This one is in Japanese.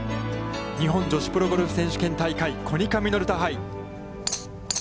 日本女子プロゴルフ選手権大会コニカミノルタ杯。